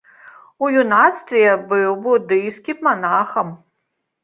У юнацтве быў будыйскім манахам.